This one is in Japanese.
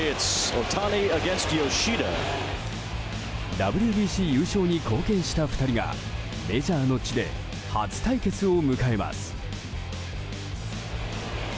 ＷＢＣ優勝に貢献した２人がメジャーの地で初対決を迎えます。